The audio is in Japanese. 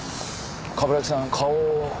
冠城さん顔。